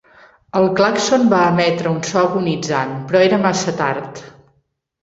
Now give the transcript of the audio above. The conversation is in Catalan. El clàxon va emetre un so agonitzant, però era massa tard.